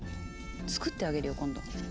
作ってあげるよ今度。